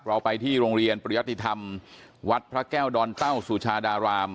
เราไปที่โรงเรียนปริยติธรรมวัดพระแก้วดอนเต้าสุชาดาราม